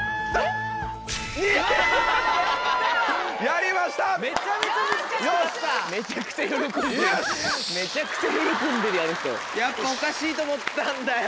やっぱおかしいと思ったんだよ。